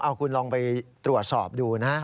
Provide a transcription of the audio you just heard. เอาคุณลองไปตรวจสอบดูนะ